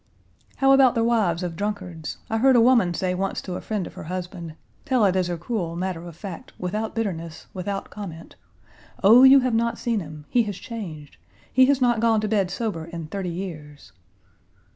"How about the wives of drunkards? I heard a woman say once to a friend of her husband, tell it as a cruel matter of fact, without bitterness, without comment, 'Oh, you have not seen him! He has changed. He has not gone to bed sober in thirty years.'